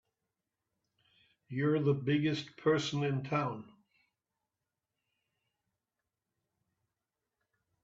You're the biggest person in town!